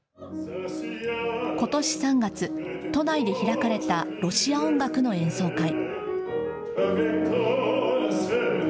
ことし３月、都内で開かれたロシア音楽の演奏会。